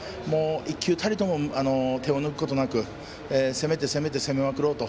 １球たりとも手を抜くことなく攻めて、攻めて攻めまくろうと。